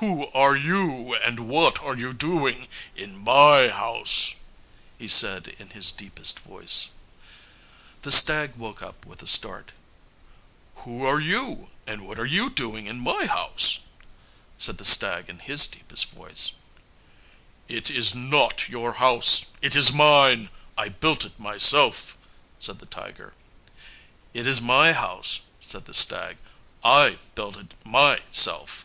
"Who are you and what are you doing in my house?" he said in his deepest voice. The stag woke up with a start. "Who are you and what are you doing in my house?" said the stag in his deepest voice. "It is not your house. It is mine. I built it myself," said the tiger. "It is my house," said the stag. "I built it myself."